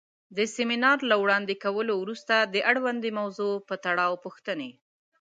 د سمینار له وړاندې کولو وروسته د اړونده موضوع پۀ تړاؤ پوښتنې